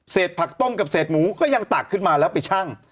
ผักต้มกับเศษหมูก็ยังตักขึ้นมาแล้วไปชั่ง